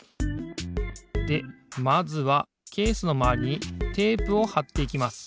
でまずはケースのまわりにテープをはっていきます。